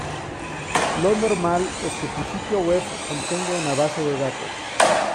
Lo normal es que tu sitio web contenga una base de datos.